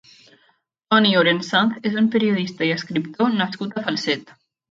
Toni Orensanz és un periodista i escriptor nascut a Falset.